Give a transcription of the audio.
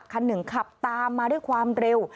คันหนึ่งขับตามมาด้วยความเร็ว